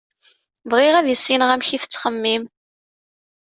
Bɣiɣ ad issineɣ amek i tettxemmim.